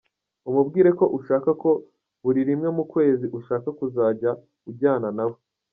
Umubwire ko ushaka ko buri rimwe mu kwezi ushaka kuzajya ujyana nawe.